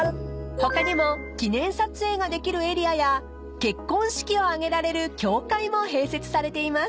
［他にも記念撮影ができるエリアや結婚式を挙げられる教会も併設されています］